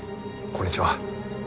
こんにちは。